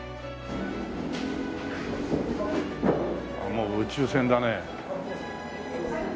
あっもう宇宙船だね。